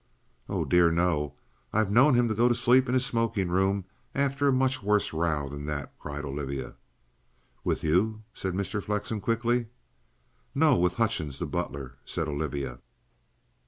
"Oh, dear no! I've known him go to sleep in his smoking room after a much worse row than that!" cried Olivia. "With you?" said Mr. Flexen quickly. "No; with Hutchings the butler," said Olivia.